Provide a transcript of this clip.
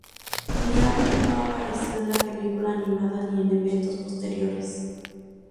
Mirage no apareció en la película animada ni en eventos posteriores.